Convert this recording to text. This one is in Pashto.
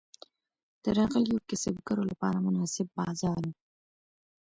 د راغلیو کسبګرو لپاره مناسب بازار و.